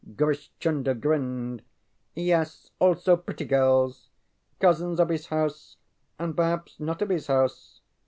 Grish Chunder grinned. ŌĆ£Yes also pretty girls cousins of his house, and perhaps not of his house.